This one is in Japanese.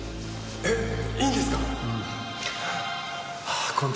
えっいいんですか？